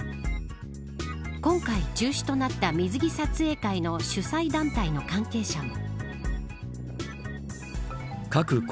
今回中止となった水着撮影会の主催団体の関係者も。